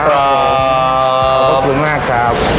ขอบคุณมากครับ